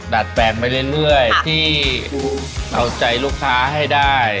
ดัดแปลงไปเรื่อยที่เอาใจลูกค้าให้ได้